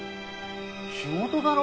仕事だろ？